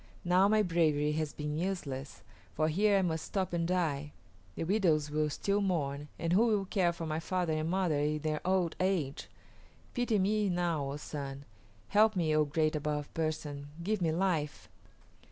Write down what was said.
Now my bravery has been useless, for here I must stop and die. The widows will still mourn, and who will care for my father and mother in their old age? Pity me now, O Sun; help me, O Great Above Person! Give me life!"